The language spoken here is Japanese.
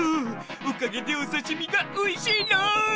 おかげでおさしみがおいしいろん！